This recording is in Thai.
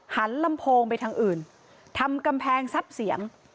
ลำโพงไปทางอื่นทำกำแพงซับเสียง